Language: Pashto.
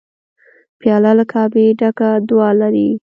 پیاله له کعبې ډکه دعا لري.